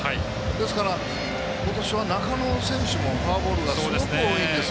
ですから、今年は中野選手がフォアボールがすごく多いんですよ。